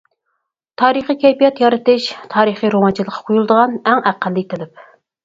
تارىخىي كەيپىيات يارىتىش تارىخىي رومانچىلىققا قويۇلىدىغان ئەڭ ئەقەللىي تەلەپ.